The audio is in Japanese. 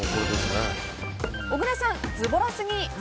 小倉さん、ズボラすぎ。